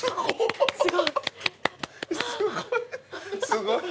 すごい。